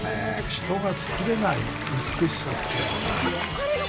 人がつくれない美しさっていうの。